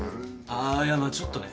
あいやまあちょっとね。